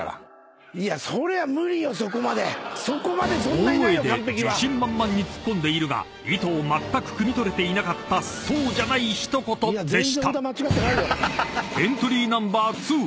［大声で自信満々にツッコんでいるが意図をまったくくみ取れていなかったそうじゃない一言でした］